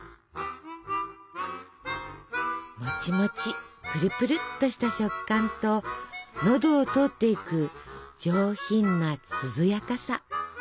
もちもちプルプルっとした食感と喉を通っていく上品な涼やかさ。